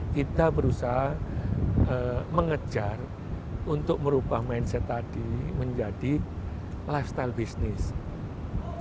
kita berusaha mengejar untuk merubah mindset tadi menjadi lifestyle business